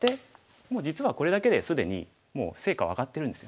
もう実はこれだけで既に成果は上がってるんですよ。